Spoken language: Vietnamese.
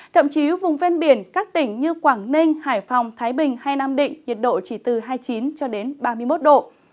thậm chí vùng ven biển các tỉnh như quảng ninh hải phòng thái bình hay nam định nhiệt độ chỉ từ hai mươi chín cho đến ba mươi một độ